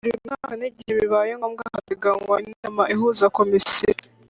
Buri mwaka n igihe bibaye ngombwa hateganywa inama ihuza Komisiyo